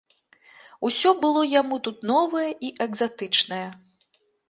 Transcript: Усё было яму тут новае і экзатычнае.